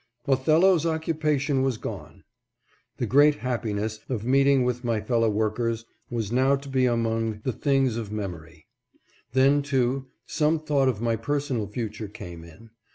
" Othello's occupation was gone." The great happiness of meeting with my fellow workers was now to be among 19 T453) 454 PLANS FOR THE FUTURE. the things of memory. Then, too, some thought of my personal future came in.